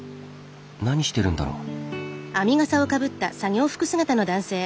何してるんだろう？